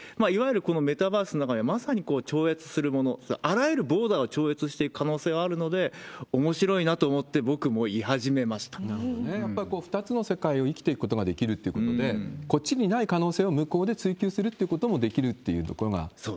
いわゆるこのメタバースの中には、まさに超越するもの、あらゆるボーダーを超越していく可能性はあるので、おもしろいなと思って、やっぱり２つの世界を生きていくことができるということで、こっちにない可能性を向こうで追及することもできるっていうところが。